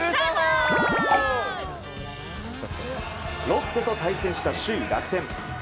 ロッテと対戦した首位、楽天。